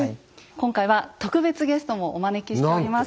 今回は特別ゲストもお招きしております。